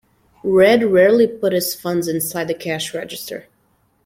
Red rarely put his funds inside the cash register.